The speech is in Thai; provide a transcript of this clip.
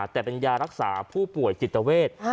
แต่เป็นยารักษาผู้ป่วยจิตเวท